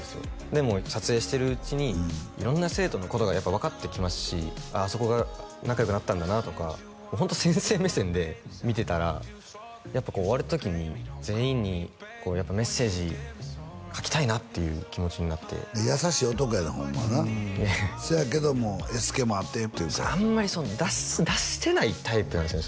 でも撮影してるうちに色んな生徒のことがやっぱ分かってきますしあそこが仲よくなったんだなとかホント先生目線で見てたらやっぱこう終わる時に全員にメッセージ書きたいなっていう気持ちになって優しい男やでホンマはなせやけどもＳっ気もあってっていうかあんまり出せないタイプなんです